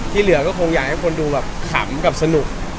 เหลือก็คงอยากให้คนดูแบบขำกับสนุก